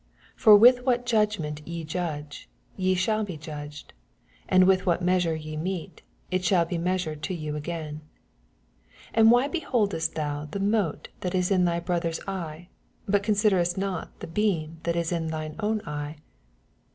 2 For vith what judgment ye judge, ye shall be judged : and with what meaenre ye mete, it ahall be ZQeaenred to yon aesdn. 8 And why beholdestthou the mote that is in thy brother's eye, but con Biderest not the beam that is in thine own eye